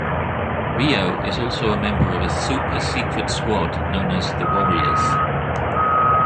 Rio is also a member of a super-secret squad known as "the Warriors".